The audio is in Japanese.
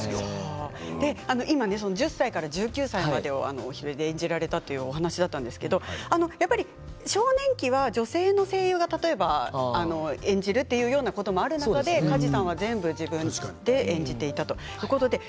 １０歳から１９歳を演じられたというお話がありましたけど少年期は女性の声優が例えば演じるというようなこともある中で梶さんは全部、自分で演じていたということですね。